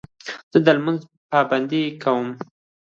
زه د لمانځه پابندي کوم.